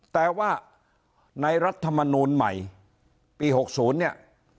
แต่ว่าในรัฐมนูลใหม่ปี๖๐เนี่ย